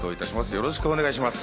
よろしくお願いします。